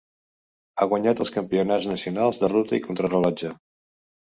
Ha guanyat els Campionats nacionals de ruta i contrarellotge.